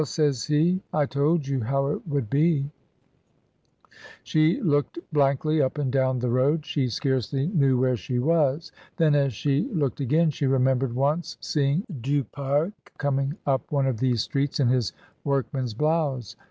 says he, "I told you how it would be." 172 MRS. DYMOND. She looked blankly up and down the road; she scarcely knew where she was. Then, as she looked again, she remembered once seeing Du Pare coming up one of these streets in his workman's blouse.